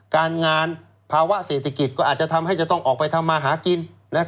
การงานภาวะเศรษฐกิจก็อาจจะทำให้จะต้องออกไปทำมาหากิน